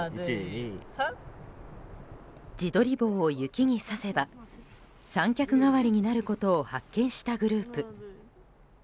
自撮り棒を雪にさせば三脚代わりになることを発見したグループ。